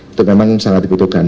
itu memang sangat dibutuhkan